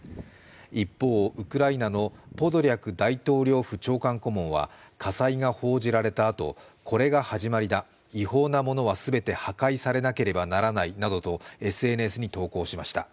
一方、ウクライナのポドリャク大統領府長官顧問は、火災が報じられたあと、これが始まりだ違法なものは全て破壊されなければならないなどとＳＮＳに投稿しました。